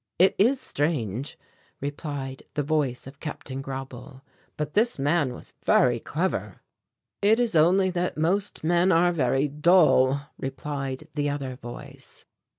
"It is strange," replied the voice of Capt. Grauble, "but this man was very clever." "It is only that most men are very dull," replied the other voice.